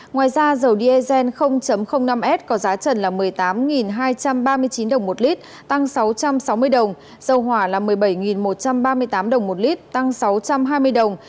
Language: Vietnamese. ngoài ra dầu diesel năm s có giá trần là một mươi tám hai trăm ba mươi chín đồng một lít tăng sáu trăm sáu mươi đồng dầu hỏa là một mươi bảy một trăm ba mươi tám đồng một lít tăng sáu trăm hai mươi đồng